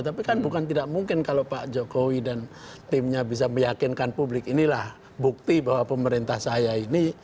tapi kan bukan tidak mungkin kalau pak jokowi dan timnya bisa meyakinkan publik inilah bukti bahwa pemerintah saya ini